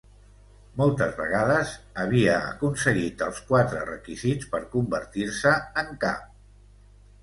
Moltes vegades havia aconseguit els quatre requisits per convertir-se en cap.